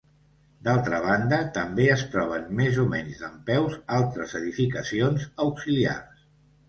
D'altra banda, també es troben més o menys dempeus altres edificacions auxiliars.